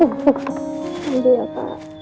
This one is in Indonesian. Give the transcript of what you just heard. aduh ya kak